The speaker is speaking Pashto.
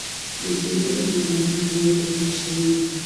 یو سړي اوښ له مهار نیولی او کشوي یې.